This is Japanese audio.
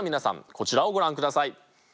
こちらをご覧ください。